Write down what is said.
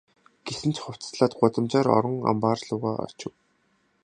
Гэсэн ч хувцаслаад гудамжаар орон амбаар луугаа очив.